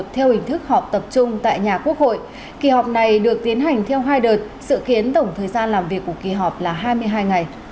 theo hình thức họp tập trung tại nhà quốc hội kỳ họp này được tiến hành theo hai đợt sự kiến tổng thời gian làm việc của kỳ họp là hai mươi hai ngày